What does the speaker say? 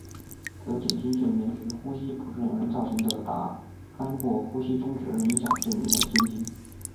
可减轻睡眠时呼吸不顺而造成打鼾或呼吸中止而影响睡眠的情形。